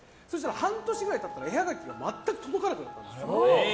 半年くらい経ったら絵ハガキが全く届かなくなったんですよ。